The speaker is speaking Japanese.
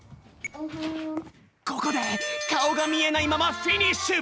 ここでかおがみえないままフィニッシュ！